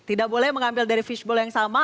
tidak boleh mengambil dari fishbowl yang sama